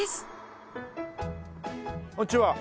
こんにちは。